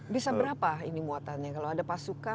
bisa berapa ini muatannya kalau ada pasukan